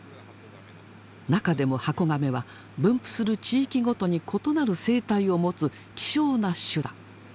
中でもハコガメは分布する地域ごとに異なる生態を持つ希少な種だ。